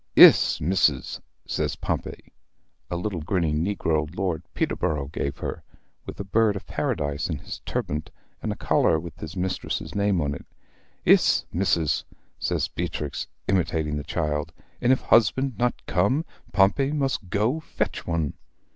"Iss, Missis!" says Pompey, a little grinning negro Lord Peterborrow gave her, with a bird of Paradise in his turbant, and a collar with his mistress's name on it. "Iss, Missis!" says Beatrix, imitating the child. "And if husband not come, Pompey must go fetch one."